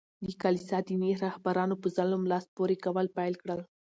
د کلیسا دیني رهبرانو په ظلم لاس پوري کول پېل کړل.